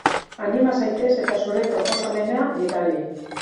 Anima zaitez eta zure proposamena bidali!